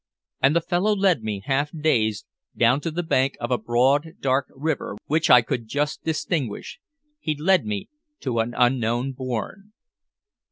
And the fellow led me, half dazed, down to the bank of a broad, dark river which I could just distinguish he led me to an unknown bourne.